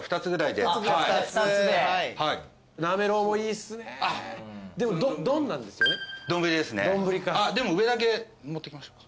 でも上だけ持ってきましょうか？